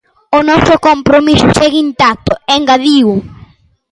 O noso compromiso segue intacto, engadiu.